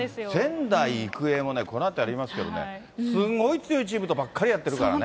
仙台育英もね、このあとやりますけどね、すごい強いチームとそうなんですよね。